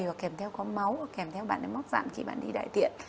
hoặc kèm theo có máu hoặc kèm theo bạn ấy móc dặn khi bạn ấy đi đại tiện